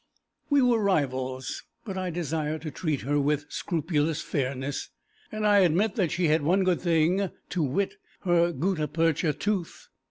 We were rivals, but I desire to treat her with scrupulous fairness, and I admit that she had one good thing, to wit, her gutta percha tooth.